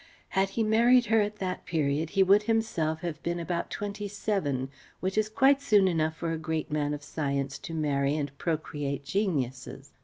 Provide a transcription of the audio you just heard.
Had he married her at that period he would himself have been about twenty seven which is quite soon enough for a great man of science to marry and procreate geniuses.